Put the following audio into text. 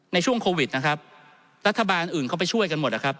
ในช่วงโควิดนะครับรัฐบาลอื่นเข้าไปช่วยกันหมดนะครับ